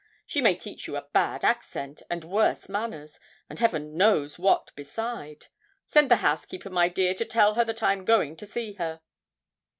She may teach you a bad accent, and worse manners, and heaven knows what beside. Send the housekeeper, my dear, to tell her that I am going to see her.'